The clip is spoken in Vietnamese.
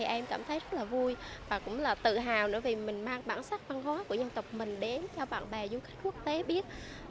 em cảm thấy rất vui và tự hào vì mình mang bản sắc văn hóa của dân tộc mình đến cho bạn bè du khách quốc tế biết